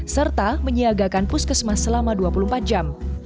serta menyiagakan puskesmas selama dua puluh empat jam